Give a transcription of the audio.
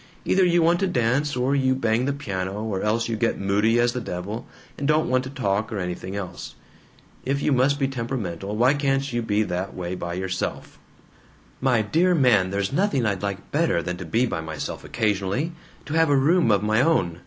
Either you want to dance, or you bang the piano, or else you get moody as the devil and don't want to talk or anything else. If you must be temperamental, why can't you be that way by yourself?" "My dear man, there's nothing I'd like better than to be by myself occasionally! To have a room of my own!